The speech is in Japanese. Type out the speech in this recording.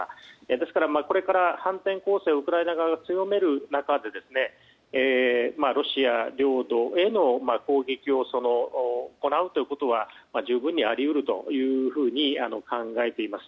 ですから、これから反転攻勢をウクライナ側が強める中でロシア領土への攻撃を行うことは十分にあり得ると考えています。